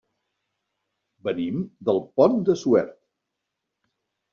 Venim del Pont de Suert.